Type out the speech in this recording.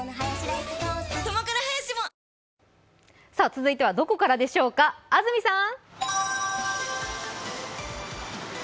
続いてはどこからでしょうか、安住さん。